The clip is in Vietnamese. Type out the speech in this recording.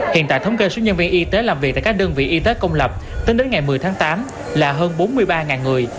hiện tại thống kê số nhân viên y tế làm việc tại các đơn vị y tế công lập tính đến ngày một mươi tháng tám là hơn bốn mươi ba người